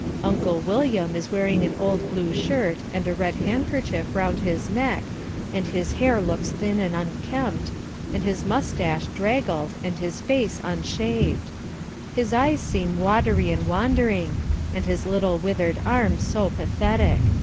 Uncle William is wearing an old blue shirt and a red handkerchief round his neck, and his hair looks thin and unkempt, and his moustache draggled and his face unshaved. His eyes seem watery and wandering, and his little withered arm so pathetic.